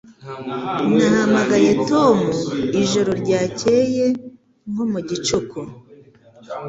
Nahamagaye Tom ijoro ryakeye nko mu gicuku.